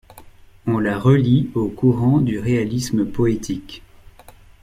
On la relie au courant du réalisme poétique.